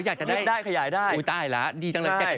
อยากจะได้ขยายได้